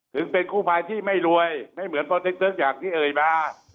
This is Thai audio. ถึงเป็นกู้ภัยที่ไม่รวยไม่เหมือนปติ๊กตึ๊กอย่างที่เอ่ยมา